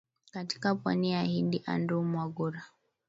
katika pwani ya hindi andrew mwagura